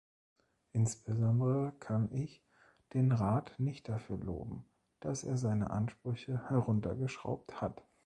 Insbesondere kann ich den Rat nicht dafür loben, dass er seine Ansprüche heruntergeschraubt hat.